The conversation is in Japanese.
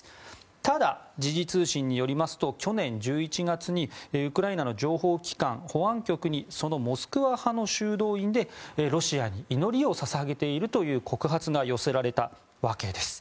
ただ、時事通信によりますと去年１１月にウクライナの情報機関・保安局にそのモスクワ派の修道院でロシアに祈りを捧げているという告発が寄せられたわけです。